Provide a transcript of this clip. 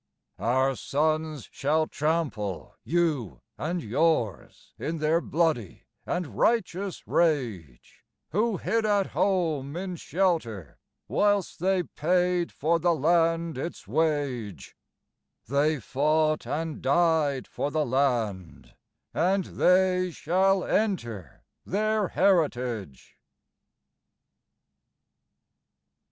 Our sons shall trample you and yours in their bloody and righteous rage, Who hid at home in shelter whilst they paid for the land its wage: They fought and died for the Land; and they shall enter their heritage.